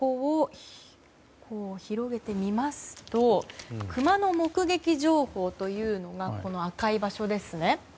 広げてみますとクマの目撃情報というのがこの赤い場所ですね。